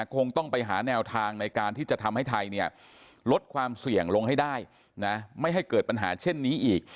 คงต้องไปหาแนวทางในการที่จะทำให้ไทยเนี่ยลดความเสี่ยงลงให้ได้นะไม่ให้เกิดปัญหาเช่นนี้อีก